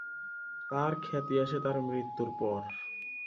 তার খ্যাতি আসে তার মৃত্যুর পর।